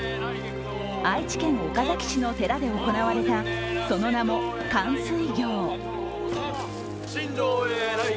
愛知県岡崎市の寺で行われた、その名も寒水行。